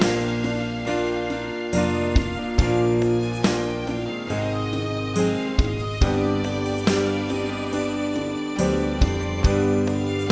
เสียงพร้อมกลับสู่สตรธรรม